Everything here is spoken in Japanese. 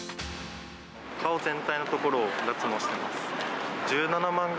顔全体の所を脱毛してます。